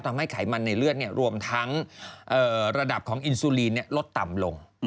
ไขมันในเลือดรวมทั้งระดับของอินซูลีนลดต่ำลง